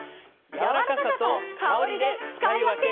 「やわらかさと香りで使い分け！！